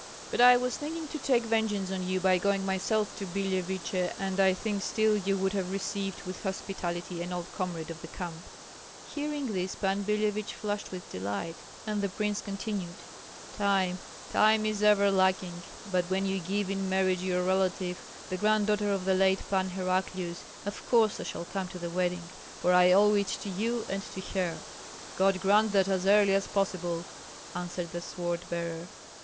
"But I was thinking to take vengeance on you by going myself to Billeviche, and I think still you would have received with hospitality an old comrade of the camp." Hearing this, Pan Billevich flushed with delight, and the prince continued, "Time, time is ever lacking! But when you give in marriage your relative, the granddaughter of the late Pan Heraclius, of course I shall come to the wedding, for I owe it to you and to her." "God grant that as early as possible," answered the sword bearer.